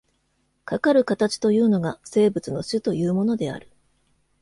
かかる形というのが、生物の種というものである。